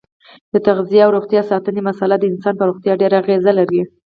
د تغذیې او روغتیا ساتنې مساله د انسان په روغتیا ډېره اغیزه لري.